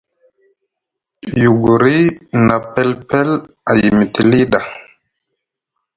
Yuguri na pelpel a yimiti lii ɗa.